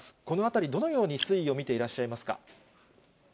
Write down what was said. このあたり、どのように推移を見ていらっしゃいますか。